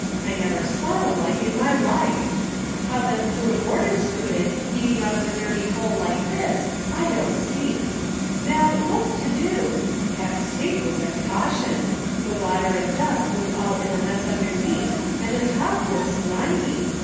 I never saw the like in my life ! How them poor boarders stood it eating out of a dirty hole like this I don't see. How, what's to do ? That sink was a caution ! The water and dust was all in a mess underneath and the top was slimy